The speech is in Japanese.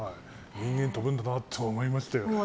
人間飛ぶんだなと思いましたけど。